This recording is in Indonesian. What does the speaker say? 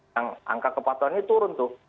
yang angka kepatuhannya turun tuh